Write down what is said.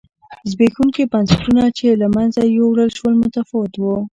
زبېښونکي بنسټونه چې له منځه یووړل شول متفاوت و.